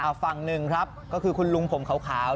ฝั่งหนึ่งครับก็คือคุณลุงผมขาว